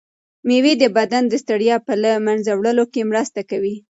مېوې د بدن د ستړیا په له منځه وړلو کې مرسته کوي.